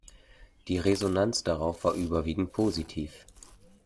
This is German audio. Die Resonanz darauf war überwiegend positiv.